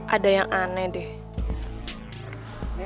ada yang aneh deh